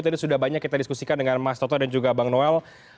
tadi sudah banyak kita diskusikan dengan mas toto dan juga bang noel